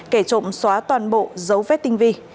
kẻ trộm xóa toàn bộ giấu vết tinh vi